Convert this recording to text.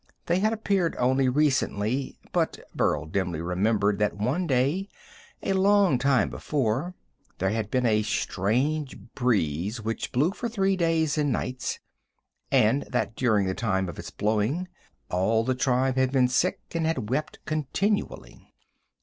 They had appeared only recently, but Burl dimly remembered that one day, a long time before, there had been a strange breeze which blew for three day and nights, and that during the time of its blowing all the tribe had been sick and had wept continually.